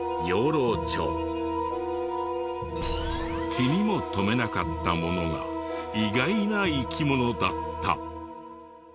気にも留めなかったものが意外な生き物だった。